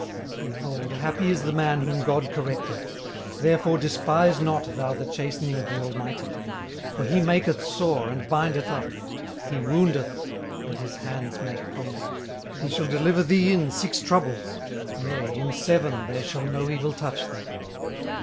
18:005:017 Behold, happy is the man whom God correcteth: therefore despise not thou the chastening of the Almighty: 18:005:018 For he maketh sore, and bindeth up: he woundeth, and his hands make whole. 18:005:019 He shall deliver thee in six troubles: yea, in seven there shall no evil touch thee.